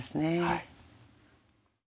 はい。